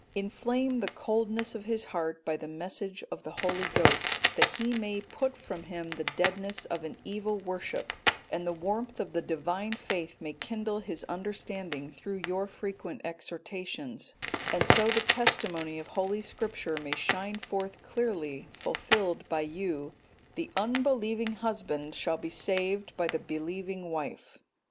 Inflame the coldness of his heart by the message of the Holy Ghost, that he may put from him the deadness of an evil worship, and the warmth of the Divine faith may kindle his understanding through your frequent exhortations; and so the testimony of Holy Scripture may shine forth clearly, fulfilled by you, 'The unbelieving husband shall be saved by the believing wife.